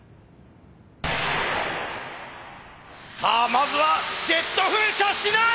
さあまずはジェット噴射しない！